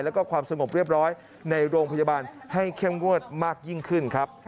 แล้วก็ความสงบเรียบร้อยในโรงพยาบาลให้เข้มงวดมากยิ่งขึ้นครับ